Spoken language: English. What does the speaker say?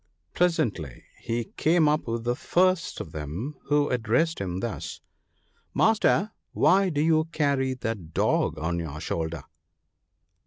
Presently he came up with the first of them, who addressed him thus :—" Master ! why do you carry that dog on your shoulder